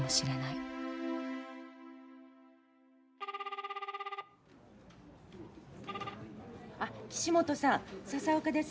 プルルルあっ岸本さん笹岡です。